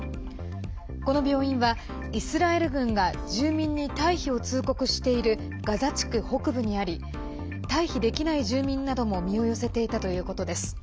この病院はイスラエル軍が住民に退避を通告しているガザ地区北部にあり退避できない住民なども身を寄せていたということです。